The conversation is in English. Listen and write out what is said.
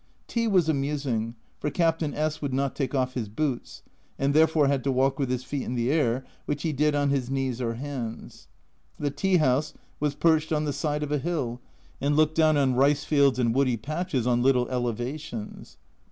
Tea was amusing, for Captain S would not take off his boots, and therefore had to walk with his feet in the air ; which he did on his knees or hands. The tea house was perched on the side of a hill, and looked down on rice fields and woody patches on little elevations.